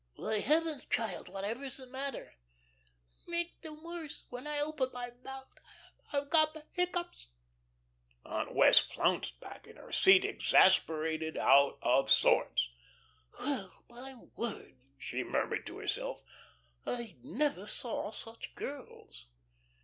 "Why, heavens, child, whatever is the matter?" "Makes them worse when I open my mouth I've got the hiccoughs." Aunt Wess' flounced back in her seat, exasperated, out of sorts. "Well, my word," she murmured to herself, "I never saw such girls."